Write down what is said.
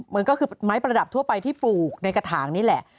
มันก็คือไม้ประดับทั่วไปที่ปลูกในกระถางนี่แหละ